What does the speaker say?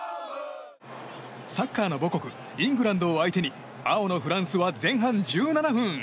サッカーの母国イングランドを相手に青のフランスは前半１７分。